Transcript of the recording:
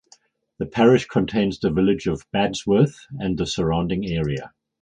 The parish contains the village of Badsworth and the surrounding area.